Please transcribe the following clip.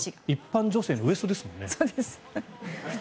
一般女性のウエストですもんね。